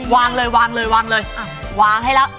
วางเลยวางให้ละ